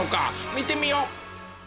見てみよう。